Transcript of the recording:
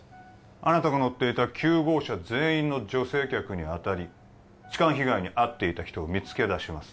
あなたが乗っていた９号車全員の女性客に当たり痴漢被害に遭っていた人を見つけ出します